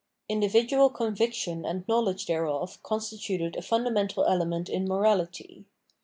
Individual conviction and knowledge thereof constituted a funda mental element in morality.